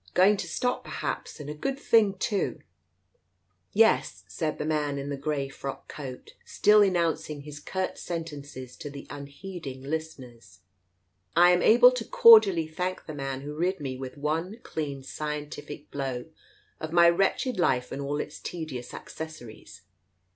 Going to stop perhaps, and a good thing too I " "Yes," said the man in the grey frock coat, still enouncing his curt sentences to the unheeding listeners, " I am able to cordially thank the man who rid me with one clean scientific blow of my wretched life and all its tedious accessories.